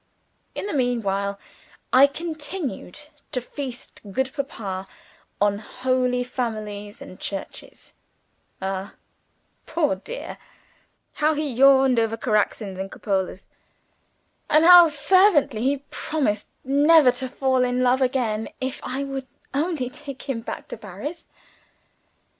In the meanwhile, I continued to feast good Papa on Holy Families and churches. Ah, poor dear, how he yawned over Caraccis and cupolas! and how fervently he promised never to fall in love again, if I would only take him back to Paris!